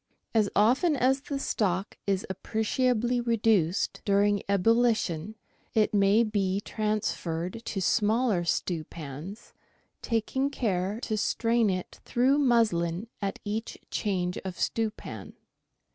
As often as the stock is appreciably reduced, during ebullition, it may be transferred to smaller stewpans, taking care to strain it through muslin at each change of stewpan.